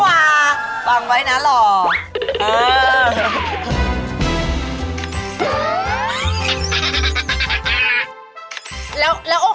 ประจำครับผมอกหักจนเบื่อครับผม